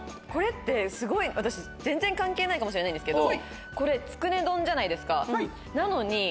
これってすごい全然関係ないかもしれないんですけどこれつくね丼じゃないですかなのに。